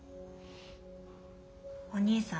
お兄さん